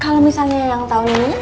kalau misalnya yang tahun ini